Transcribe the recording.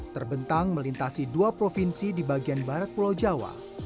terbentang melintasi dua provinsi di bagian barat pulau jawa